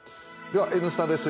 では「Ｎスタ」です。